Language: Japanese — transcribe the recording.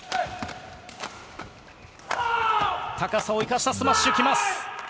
高さを生かしたスマッシュが来ます。